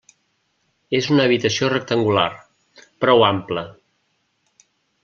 És una habitació rectangular, prou ampla.